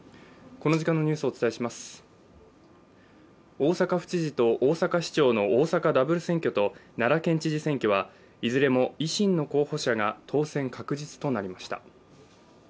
大阪府知事と大阪市長の大阪ダブル選挙と奈良県知事選挙はいずれも維新の候補者が当選確実となりました。